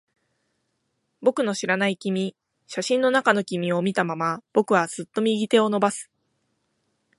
僕の知らない君。写真の中の君を見たまま、僕はすっと右手を伸ばす。